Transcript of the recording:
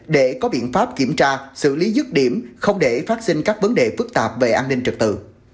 để có biện pháp kiểm tra xử lý dứt điểm không để phát sinh các vấn đề phức tạp về an ninh trật tự